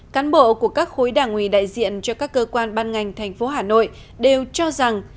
cán bộ của các khối đảng ủy đại diện cho các cơ quan ban ngành thành phố hà nội đều cho rằng